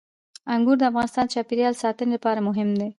انګور د افغانستان د چاپیریال ساتنې لپاره مهم دي.